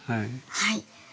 はい。